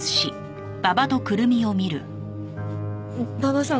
馬場さん